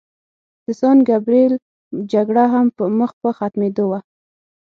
د سان ګبریل جګړه هم مخ په ختمېدو وه.